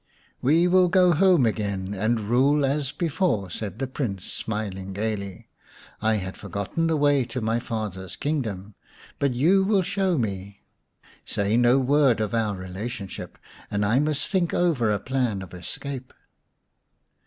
" We will go home again and rule as before," said the Prince, smiling gaily. " I had forgotten the way to my father's kingdom, but you will 175 The Story of Semai mai xv show me. Say no word of our relationship ; I must think over a plan of escape."